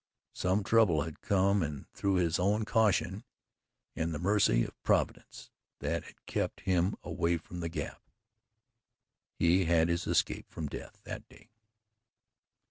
Some trouble had come and through his own caution, and the mercy of Providence that had kept him away from the Gap, he had had his escape from death that day.